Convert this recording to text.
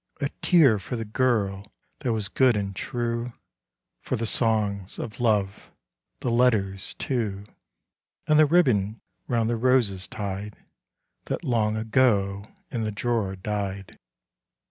A tear for the girl that was good and true, For the songs of love the letters, too, And the ribbon around the roses tied That long ago in the drawer died.